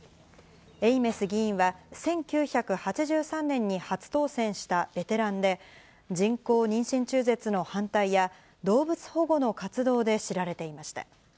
エイメス議員は、１９８３年に初当選したベテランで、人工妊娠中絶の反対や、動物保護の活動で知られていました。